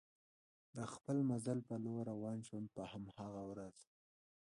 د خپل مزل په لور روان شوم، په هماغه ورځ.